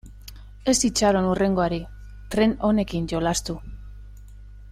Ez itxaron hurrengoari, tren honekin jolastu.